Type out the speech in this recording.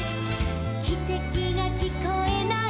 「きてきがきこえない」